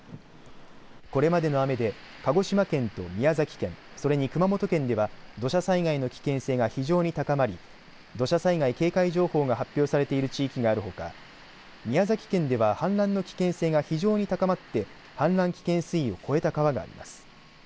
これまでの雨で鹿児島県と宮崎県、それに熊本県では土砂災害の危険性が非常に高まり土砂災害警戒情報が発表されている地域があるほか、宮崎県では氾濫の危険性が非常に高まって氾濫危険水位を超えた川があります。